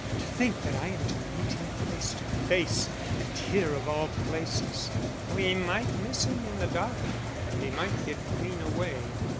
"To think that I am to meet him face to face, and here of all places." "We might miss him in the dark, and he might get clean away."